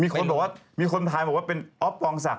มีคนตัวอ้ะมีคนถ่ายแล้วเป็นอ๊อฟวองสัก